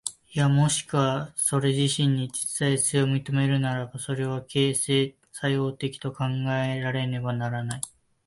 いやしくもそれ自身に実在性を認めるならば、それは形成作用的と考えられねばならない。